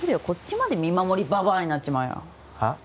こっちまで見守りばばあになっちまうよはあ？